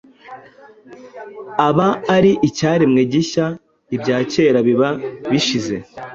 aba ari icyaremwe gishya: ibya kera biba bishize,